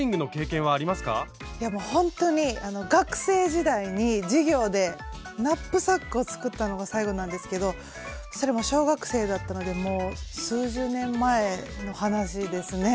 いやもうほんとに学生時代に授業でナップサックを作ったのが最後なんですけどそれも小学生だったのでもう数十年前の話ですね。